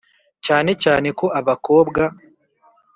cyane cyane ko abakobwa